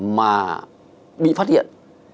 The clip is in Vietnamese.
mà bị phát hiện